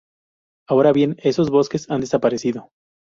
Ahora bien, esos bosques han desaparecido.